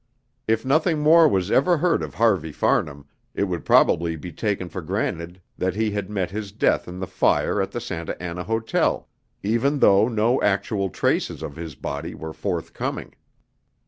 If nothing more was ever heard of Harvey Farnham, it would probably be taken for granted that he had met his death in the fire at the Santa Anna Hotel, even though no actual traces of his body were forthcoming.